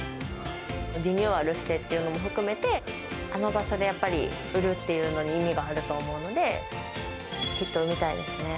リニューアルしてっていうのも含めて、あの場所でやっぱり売るっていうのに意味があると思うので、ヒットを生みたいですね。